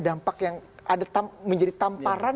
dampak yang menjadi tamparan